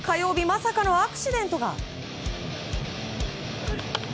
まさかのアクシデントが。